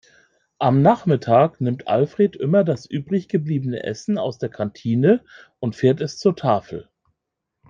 Am Nachmittag nimmt Alfred immer das übrig gebliebene Essen aus der Kantine und fährt es zur Tafel.